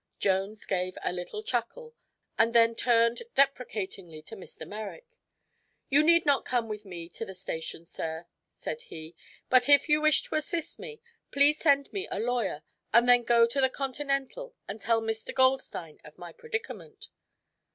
Jones gave a little chuckle and then turned deprecatingly to Mr. Merrick. "You need not come with me to the station, sir," said he; "but, if you wish to assist me, please send me a lawyer and then go to the Continental and tell Mr. Goldstein of my predicament."